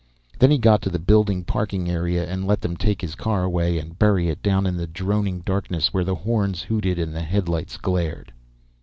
Then he got to the building parking area and let them take his car away and bury it down in the droning darkness where the horns hooted and the headlights glared.